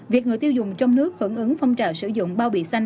việc người tiêu dùng trong nước hưởng ứng phong trào sử dụng bao bì xanh